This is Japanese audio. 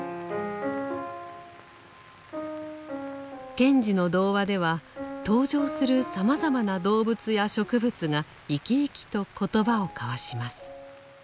賢治の童話では登場するさまざまな動物や植物が生き生きと言葉を交わします。